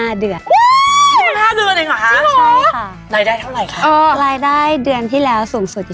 แล้วอันนี้แบบไม่อยากเป็นดาราแล้วอยากไปช่วยแพ็คของได้ไหม